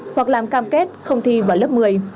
hoặc làm cam kết không thi vào lớp một mươi